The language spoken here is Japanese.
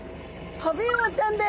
トビウオちゃんです。